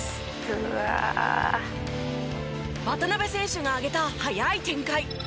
「うわあ」渡邊選手が挙げた速い展開。